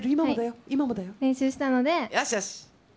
よしよし。